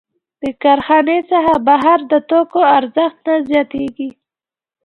د کارخانې څخه بهر د توکو ارزښت نه زیاتېږي